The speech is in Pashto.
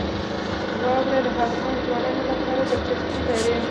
واوره د افغان ځوانانو لپاره دلچسپي لري.